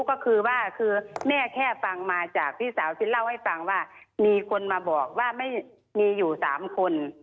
ก็คือว่าคือแม่แค่ฟังมาจากพี่สาวที่เล่าให้ฟังว่ามีคนมาบอกว่าไม่มีอยู่๓คน